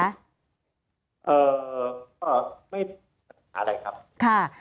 เอ่อก็ไม่มีปัญหาอะไรครับค่ะ